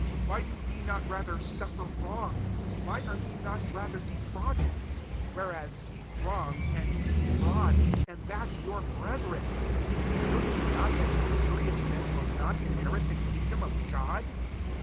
Why do ye not rather suffer wrong? why are ye not rather defraud ed ? 8 whereas ye wrong, and defraud ; and that your brethren. 9 Know ye not that injurious men will not inherit the king dom of God